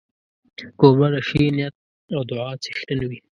کوربه د ښې نیت او دعا څښتن وي.